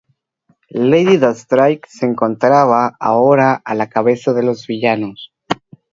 Lady Deathstrike se encontraba ahora a la cabeza de los villanos.